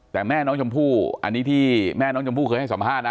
แต่แม่น้องชมพู่อันนี้ที่แม่น้องชมพู่เคยให้สัมภาษณ์นะ